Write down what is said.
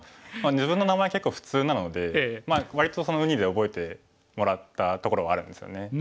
自分の名前結構普通なので割とそのウニで覚えてもらったところはあるんですよね。